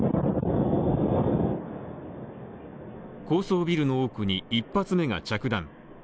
高層ビルの奥に一発目が着弾。